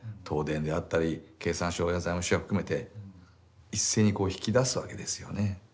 東電であったり経産省や財務省含めて一斉に引きだすわけですよね。